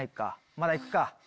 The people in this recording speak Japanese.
まだいくか？